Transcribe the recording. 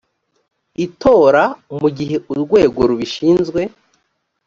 itora mu gihe urwego rubishinzwe